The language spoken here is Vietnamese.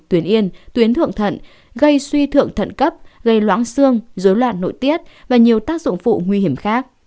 tuyến yên tuyến thượng thận gây suy thượng thận cấp gây loãng xương dối loạn nội tiết và nhiều tác dụng phụ nguy hiểm khác